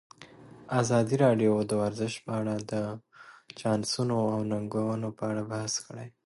ازادي راډیو د ورزش په اړه د چانسونو او ننګونو په اړه بحث کړی.